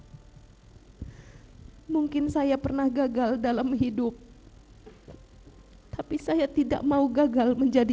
tidak mau gagal menjadi ibu hai mungkin saya pernah gagal dalam hidup tapi saya tidak mau gagal menjadi